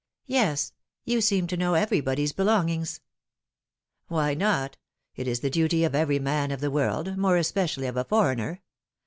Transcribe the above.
"Yes. You seem to know everybody's belongings." ' Why not ? It is the duty of every man of the world, more especially of a foreigner.